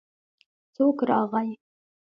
څوک راغی.